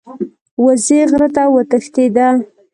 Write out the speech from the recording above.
وزې غره ته وتښتیده.